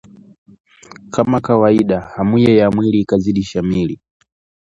kama kawaida hamuye ya mwili ikazidi shamiri